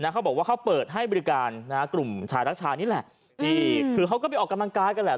เขาบอกว่าเขาเปิดให้บริการกลุ่มชายรักชายนี่แหละที่คือเขาก็ไปออกกำลังกายกันแหละ